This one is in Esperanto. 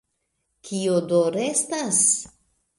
Kio do restas?